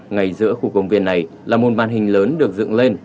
ngay giữa khu công viên này là một màn hình lớn được dựng lên